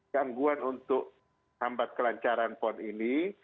gangguan untuk hambat kelancaran pon ini